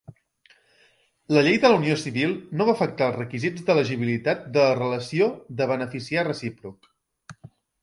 La llei de la unió civil no va afectar els requisits d'elegibilitat de la relació de beneficiar recíproc.